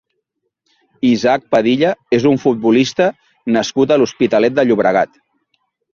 Isaac Padilla és un futbolista nascut a l'Hospitalet de Llobregat.